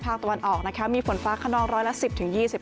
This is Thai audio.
ภาคตะวันออกนะคะมีฝนฟ้าขนร้อยละสิบถึงยี่สิบ